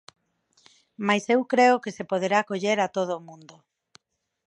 Mais eu creo que se poderá coller a todo o mundo.